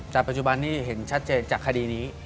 แต่ปัจจุบันนี้เห็นชัดเจนจากคดีนี้